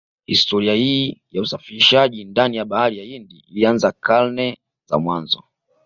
Historia hii ya usafirishaji ndani ya bahari ya Hindi ilianza karne za mwanzo